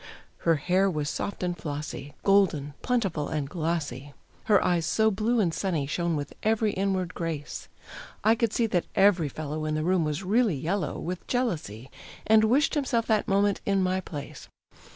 Her hair was soft and flossy, golden, plentiful and glossy; Her eyes, so blue and sunny, shone with every inward grace; I could see that every fellow in the room was really yellow With jealousy, and wished himself that moment in my place.